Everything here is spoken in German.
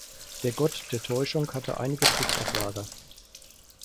Der Gott der Täuschung hatte einige Tricks auf Lager.